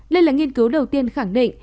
lên lệnh nghiên cứu đầu tiên khẳng định